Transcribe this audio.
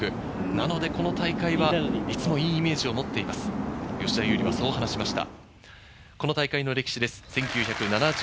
なので、この大会はいつもいいイメージを持っています、吉田優利はそう話しました。